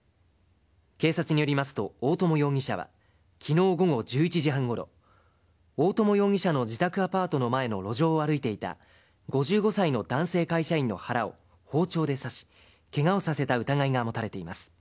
警察によりますと、大友容疑者は、きのう午後１１時半ごろ、大友容疑者の自宅アパートの前の路上を歩いていた５５歳の男性会社員の腹を包丁で刺し、けがをさせた疑いが持たれています。